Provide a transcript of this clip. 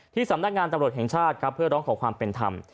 สำนักงานตำรวจแห่งชาติครับเพื่อร้องขอความเป็นธรรม